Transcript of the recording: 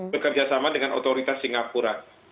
bekerja sama dengan otoritas singapura